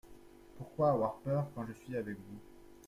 Pourquoi avoir peur quand je suis avec vous ?